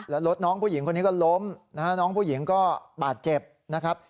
แล้วรถน้องผู้หญิงคนนี้ก็ล้มนะฮะน้องผู้หญิงก็บาดเจ็บนะครับ